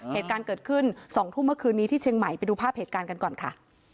เหตุการณ์เกิดขึ้น๒ทุ่มเมื่อคืนนี้ที่เชียงใหม่ไปดูภาพเหตุการณ์กันก่อนค่ะ